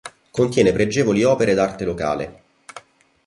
Contiene pregevoli opere d'arte locale.